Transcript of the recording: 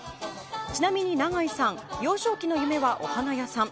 ちなみに永井さん幼少期の夢はお花屋さん。